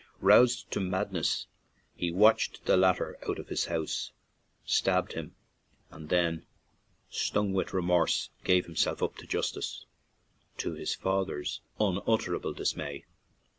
Roused to madness, he watched the latter out of the house, stabbed him, and then, stung with remorse, gave himself up to justice, to his father's unutterable dismay.